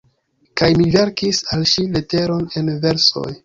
Kaj mi verkis al ŝi leteron en versoj».